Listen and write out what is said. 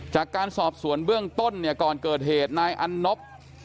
จากการสอบสวนเบื้องต้นเนี่ยก่อนเกิดเหตุนายอันนบ